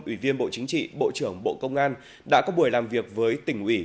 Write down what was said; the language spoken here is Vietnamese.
ủy viên bộ chính trị bộ trưởng bộ công an đã có buổi làm việc với tỉnh ủy